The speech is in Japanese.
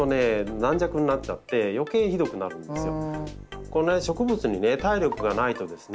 軟弱になっちゃってよけいひどくなるんですよ。